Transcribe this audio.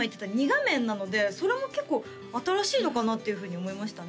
２画面なのでそれも結構新しいのかなっていうふうに思いましたね